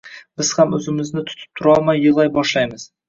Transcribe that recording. biz ham o’zimizni tutib turolmay yig’lay boshlaymiz.